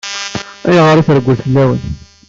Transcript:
Ayɣer i treggel fell-awen?